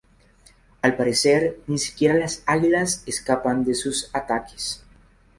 Al parecer, ni siquiera las águilas escapan a sus ataques.